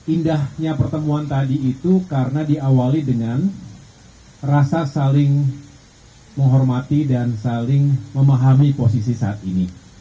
indahnya pertemuan tadi itu karena diawali dengan rasa saling menghormati dan saling memahami posisi saat ini